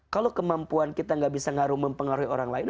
kalau kemampuan kita tidak bisa mempengaruhi orang lain